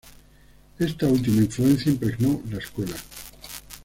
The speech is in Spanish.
Esta última influencia impregnó la escuela.